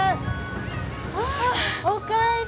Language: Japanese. ああおかえり。